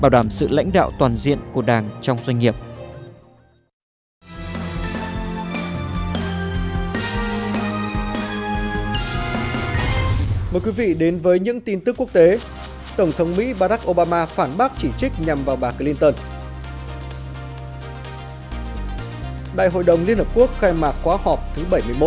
đại hội đồng liên hợp quốc khai mạc quá họp thứ bảy mươi một